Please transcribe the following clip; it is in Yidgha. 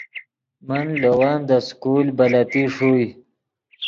من لے ون دے سکول بلتی ݰوئے